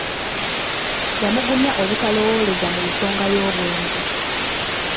Yamugumya obutalowooleza mu nsonga y'obwenzi.